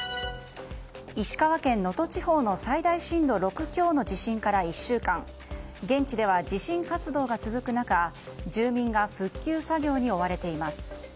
石川県能登地方の最大震度６強の地震から１週間現地では、地震活動が続く中住民が復旧作業に追われています。